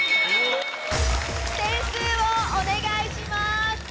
点数をお願いします。